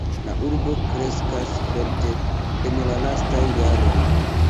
La urbo kreskas forte en la lastaj jaroj.